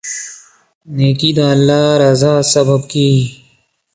نیکي د الله رضا سبب کیږي.